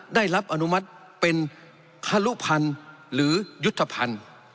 ได้รับอนุมัติเป็นครุพันธ์หรือยุทธภัณฑ์